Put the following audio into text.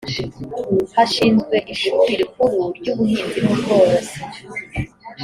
hashinzwe ishuri rikuru ry ‘ubuhinzi n ‘ubworozi